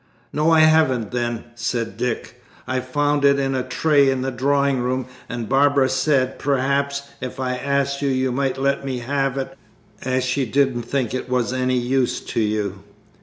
"No, I haven't, then," said Dick, "I found it in a tray in the drawing room, and Barbara said, perhaps, if I asked you, you might let me have it, as she didn't think it was any use to you."